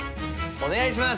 お願いします！